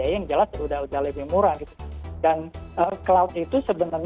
admin yang mengerti diperlukan redundansi dan sebagainya dibandingkan dengan cloud yang ama